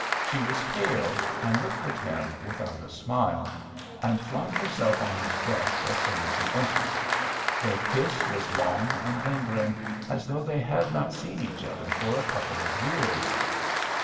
She was pale, and looked at him without a smile, and flung herself on his breast as soon as he entered. Their kiss was long and lingering as though they had not seen each other for a couple of years.